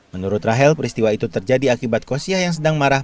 menurut rahel peristiwa itu terjadi akibat kosiah yang sedang marah